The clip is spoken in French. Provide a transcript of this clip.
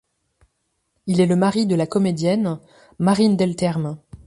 Il est le mari de la comédienne Marine Delterme.